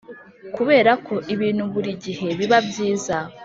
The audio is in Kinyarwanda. kuberako ibintu buri gihe biba byiza.